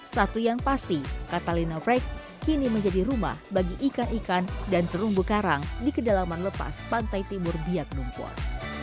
satu yang pasti catalina freque kini menjadi rumah bagi ikan ikan dan terumbu karang di kedalaman lepas pantai timur biak lumpur